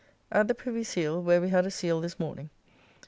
At the Privy Seal, where we had a seal this morning.